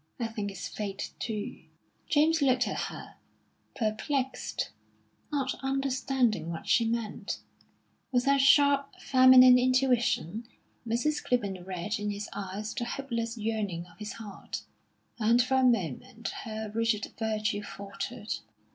I think it's fate, too." James looked at her, perplexed, not understanding what she meant. With her sharp, feminine intuition, Mrs. Clibborn read in his eyes the hopeless yearning of his heart, and for a moment her rigid virtue faltered.